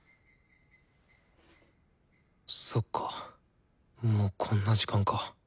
そっかもうこんな時間か。